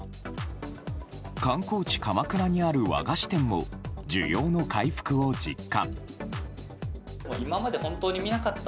観光地・鎌倉にある和菓子店も需要の回復を実感。